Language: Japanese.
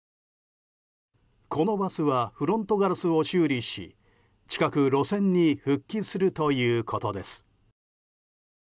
このバスはフロントガラスを修理し近く路線に復帰するということです。